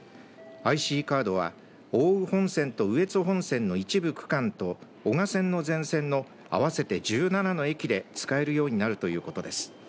ＩＣカードは奥羽本線と羽越本線の一部区間と男鹿線の全線の合わせて１７の駅で使えるようになるということです。